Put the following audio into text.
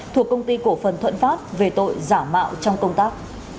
thuộc công ty cổ phần thuận pháp về tội giả mạo trong công tác